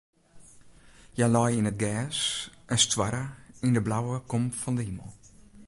Hja lei yn it gers en stoarre yn de blauwe kom fan de himel.